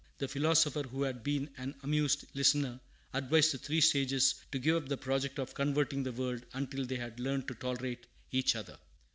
The philosopher, who had been an amused listener, advised the three sages to give up the project of converting the world until they had learned to tolerate each other.